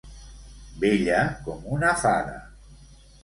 Bella com una fada.